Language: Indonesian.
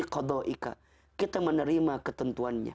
kita menerima ketentuannya